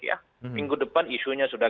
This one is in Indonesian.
ya minggu depan isunya sudah